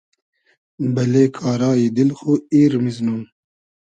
بئلې کارای دیل خو ایر میزنوم